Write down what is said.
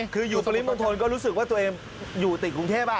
คืออยู่ปริมณฑลก็รู้สึกว่าตัวเองอยู่ติดกรุงเทพ